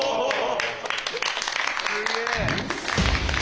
すげえ。